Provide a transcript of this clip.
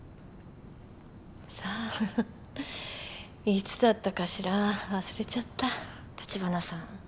さあいつだったかしら忘れちゃった橘さん